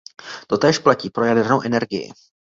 Totéž platí pro jadernou energii.